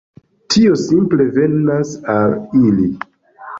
Tio simple venas al ili.